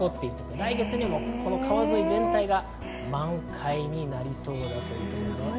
来月にも川沿い全体が満開になりそうです。